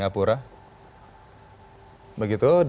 dia sudah mencapai valuasi sekitar tiga dua miliar usd